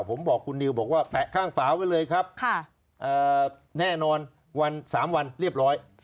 ผมบอกคุณนิวบอกว่าแปะข้างฝาไว้เลยครับแน่นอนวัน๓วันเรียบร้อย